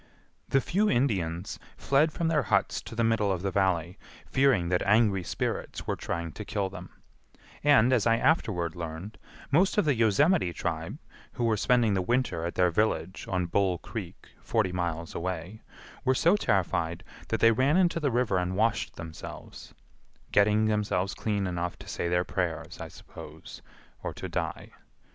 The few Indians fled from their huts to the middle of the Valley, fearing that angry spirits were trying to kill them; and, as I afterward learned, most of the Yosemite tribe, who were spending the winter at their village on Bull Creek forty miles away, were so terrified that they ran into the river and washed themselves,—getting themselves clean enough to say their prayers, I suppose, or to die.